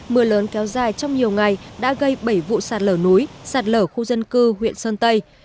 mưa lớn kéo dài trong nhiều ngày đã gây bảy vụ sạt lở núi sạt lở khu dân cư huyện sơn tây